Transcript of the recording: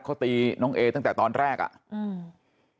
เขาตีน้องเอตั้งแต่ตอนแรกอ่ะอืม